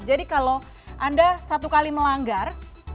jadi kalau anda satu kali melanggar